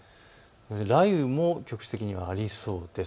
雷雨も局地的にはありそうです。